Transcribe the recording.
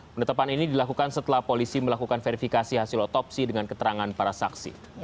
penetapan ini dilakukan setelah polisi melakukan verifikasi hasil otopsi dengan keterangan para saksi